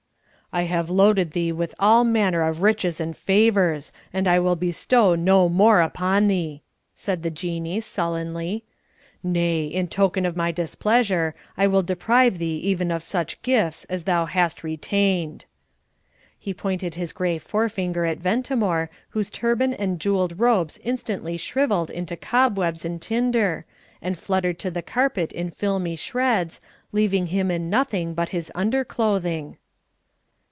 "I have loaded thee with all manner of riches and favours, and I will bestow no more upon thee," said the Jinnee, sullenly. "Nay, in token of my displeasure, I will deprive thee even of such gifts as thou hast retained." He pointed his grey forefinger at Ventimore, whose turban and jewelled robes instantly shrivelled into cobwebs and tinder, and fluttered to the carpet in filmy shreds, leaving him in nothing but his underclothing.